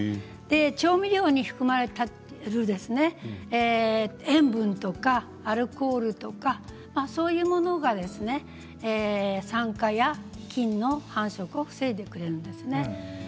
調味料に含まれている塩分とかアルコールとかそういうものが酸化や菌の繁殖を防いでくれるんです。